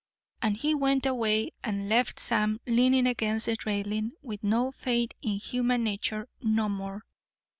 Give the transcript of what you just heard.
And he went away and left Sam leaning against the railing, with no faith in human nature no more.